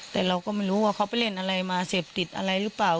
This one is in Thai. แต่เราก็ไม่รู้ว่าเขาไปเล่นอะไรมาเสพติดอะไรหรือเปล่า